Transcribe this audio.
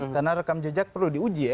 karena rekam jejak perlu diuji ya